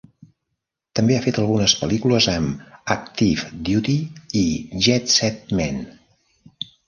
També ha fet algunes pel·lícules amb Active Duty i Jet Set Men.